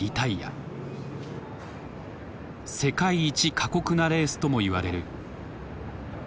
「世界一過酷なレース」ともいわれる。